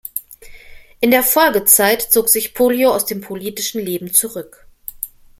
In der Folgezeit zog sich Pollio aus dem politischen Leben zurück.